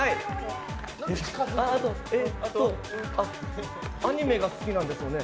あと、アニメが好きなんですよね。